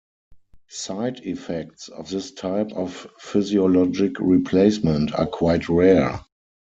Side-effects of this type of physiologic replacement are quite rare.